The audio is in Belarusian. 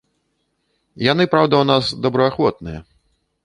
Яны, праўда, у нас добраахвотныя.